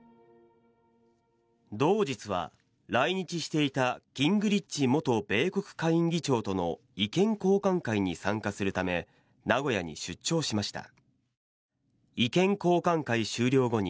同日は、来日していたギングリッチ元米国下院議長との意見交換会に参加するため名古屋に出張しました。